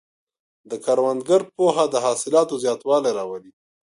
د کروندګر پوهه د حاصلاتو زیاتوالی راولي.